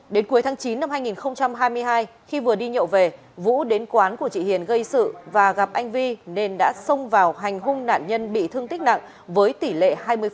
đến cuối tháng chín năm hai nghìn hai mươi hai khi vừa đi nhậu về vũ đến quán của chị hiền gây sự và gặp anh vi nên đã xông vào hành hung nạn nhân bị thương tích nặng với tỷ lệ hai mươi